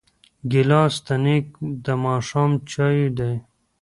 ګیلاس د نیکه د ماښام چایو دی.